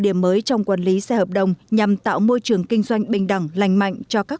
điểm mới trong quản lý xe hợp đồng nhằm tạo môi trường kinh doanh bình đẳng lành mạnh cho các